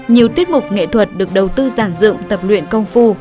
nhiều tiết mục nghệ thuật được đầu tư giản dựng tập luyện công phu